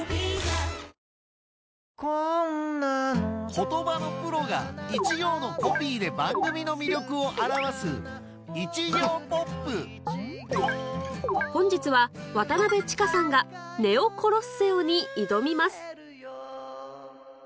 言葉のプロが一行のコピーで番組の魅力を表す本日は渡千佳さんが『ネオコロッセオ』に挑みます